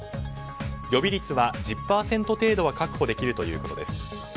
予備率は、１０％程度は確保できるということです。